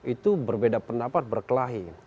itu berbeda pendapat berkelahi